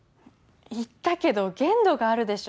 言ったけど限度があるでしょ。